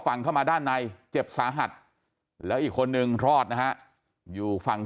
เข้ามาด้านในเจ็บสาหัสแล้วอีกคนนึงรอดนะฮะอยู่ฝั่ง